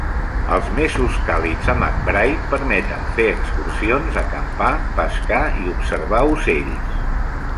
Els mesos càlids a McBride permeten fer excursions, acampar, pescar i observar ocells.